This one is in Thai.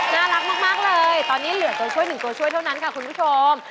น่ารักมากเลยตอนนี้เหลือตัวช่วย๑ตัวช่วยเท่านั้นค่ะคุณผู้ชม